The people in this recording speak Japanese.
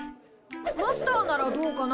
マスターならどうかな？